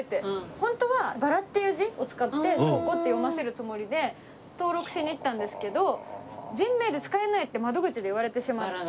ホントは薔薇っていう字を使って薔子って読ませるつもりで登録しに行ったんですけど人名で使えないって窓口で言われてしまって。